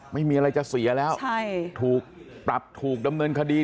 ไม่มีอะไรจะเสียแล้วถูกปรับถูกดำเนินคดี